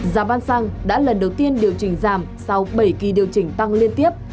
giảm bán xăng đã lần đầu tiên điều chỉnh giảm sau bảy kỳ điều chỉnh tăng liên tiếp